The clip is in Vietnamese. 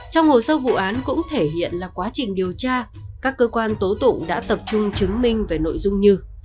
trong hồ sơ vụ án cũng thể hiện là quá trình điều tra các cơ quan tố tụng đã tập trung chứng minh về nội dung như